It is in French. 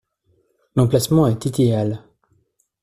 L’emplacement est idéal.